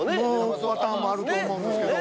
パターンもあると思うんですけど。